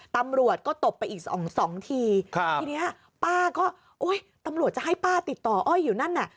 ตำรวจก็ตบไปอีกสองสองทีครับทีนี้ป้าก็โอ๊ยตำรวจจะให้ป้าติดต่ออ้อยอยู่นั่นน่ะ